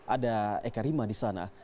ada eka rima di sana